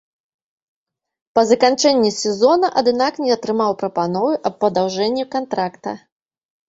Па заканчэнні сезона, аднак, не атрымаў прапановы аб падаўжэнні кантракта.